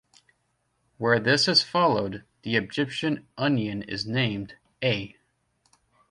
Where this is followed, the Egyptian onion is named A.